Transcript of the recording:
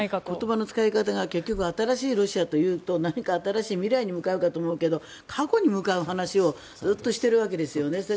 言葉の使い方が結局、新しいロシアというと何か新しい未来に向かうかと思うけど過去に向かう話をずっとしているわけですよね。